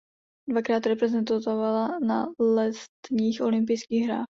Dvakrát reprezentovala na letních olympijských hrách.